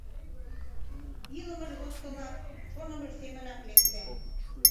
Илымыж годсылак, шонымыж семынак лекте.